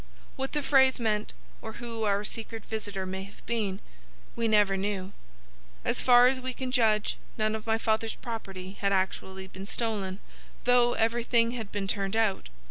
What the phrase meant, or who our secret visitor may have been, we never knew. As far as we can judge, none of my father's property had been actually stolen, though everything had been turned out.